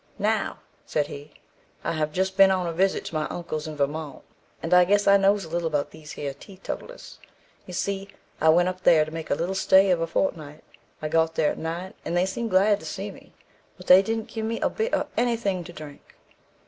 "Now," said he, "I have just been on a visit to my uncle's in Vermont, and I guess I knows a little about these here teetotlars. You see, I went up there to make a little stay of a fortnight. I got there at night, and they seemed glad to see me, but they didn't give me a bit of anything to drink.